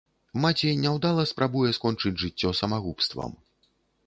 Маці няўдала спрабуе скончыць жыццё самагубствам.